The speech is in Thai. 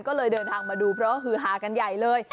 ก็เลยเดินทางมาดูเพราะว่าฮือฮากันใหญ่เลย